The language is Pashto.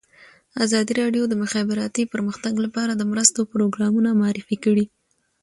ازادي راډیو د د مخابراتو پرمختګ لپاره د مرستو پروګرامونه معرفي کړي.